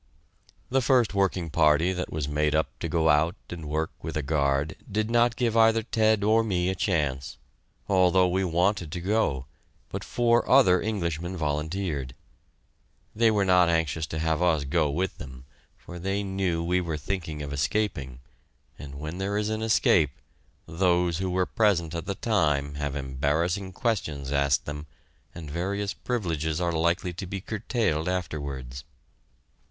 The first working party that was made up to go out and work with a guard did not give either Ted or me a chance, although we wanted to go, but four other Englishmen volunteered. They were not anxious to have us go with them, for they knew we were thinking of escaping, and when there is an escape, those who were present at the time have embarrassing questions asked them and various privileges are likely to be curtailed afterwards.